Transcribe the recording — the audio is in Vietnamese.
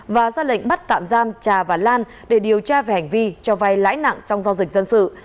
và ra lệnh bắt tạm giam trà và lan để điều tra về hành vi cho vay lãi nặng trong giao dịch dân sự